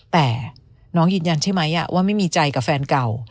แต่น้องยืนยันใช่ไหมว่าไม่มีใจกับแฟนเก่า